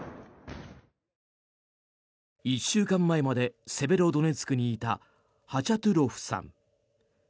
１週間前までセベロドネツクにいたハチャトゥロフさん。